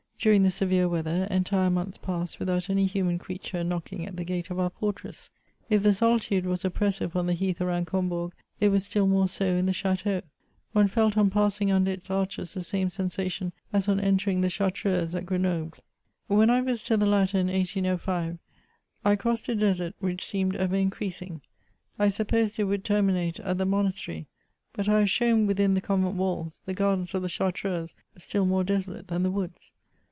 During the severe weather, entire months passed without any human creature knocking at the gate of our fortress. If the solitude was oppressive on the heath around (3omhourg, it was still more so in the chateau ; one felt on passing under its arches the same sensa tion as on entering the Chartreuse at Grenoble. When I visited the latter in 1805| I crossed a desert which seemed ever increasing. I supposed it would terminate at the monas tery ; but I was shown within the convent walls, the gardens of the Chartreuse still more desolate than the woods.